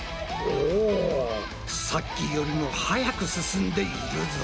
おさっきよりも速く進んでいるぞ。